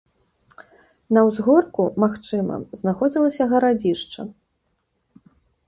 На ўзгорку, магчыма, знаходзілася гарадзішча.